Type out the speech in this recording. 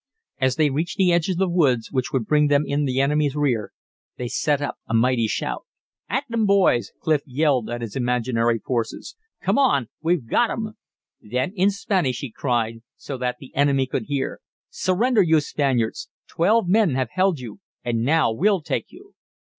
As they reached the edge of the woods which would bring them in the enemy's rear, they set up a mighty shout. "At them, boys!" Clif yelled at his imaginary forces. "Come on! we've got 'em!" Then in Spanish he cried, so that the enemy could hear: "Surrender, you Spaniards! Twelve men have held you, and now we'll take you!"